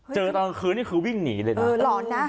ตอนกลางคืนนี่คือวิ่งหนีเลยนะเออหลอนนะ